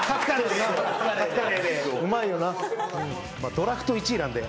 ドラフト１位なんで。